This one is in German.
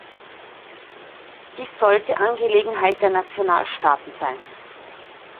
Dies sollte Angelegenheit der Nationalstaaten sein.